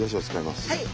はい。